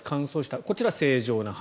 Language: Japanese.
こちら、正常な肌。